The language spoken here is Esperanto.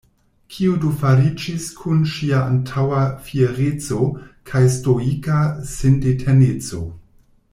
Kio do fariĝis kun ŝia antaŭa fiereco kaj stoika sindeteneco?